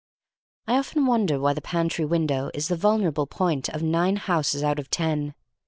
I often wonder why the pantry window is the vulnerable point of nine houses out of ten.